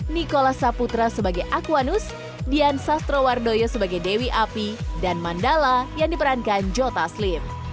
nikola saputra sebagai akuanus dian sastrowardoyo sebagai dewi api dan mandala yang diperankan jota slim